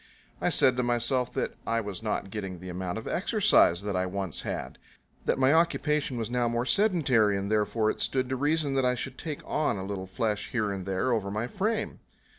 I said to myself that I was not getting the amount of exercise that once I had; that my occupation was now more sedentary, and therefore it stood to reason that I should take on a little flesh here and there over my frame.